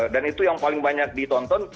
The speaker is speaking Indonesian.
dan itu yang paling banyak ditonton